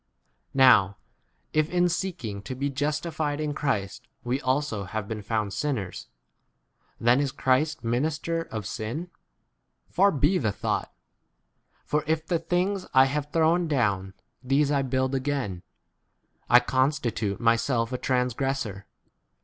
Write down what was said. Now if in seek ing to be justified in Christ we also have been found sinners, then [is] Christ minister of sin ? Far be ' the thought. For if the things I have thrown down these I build again, I constitute myself a trans } gressor.